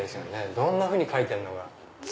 どんなふうに描いてるのか。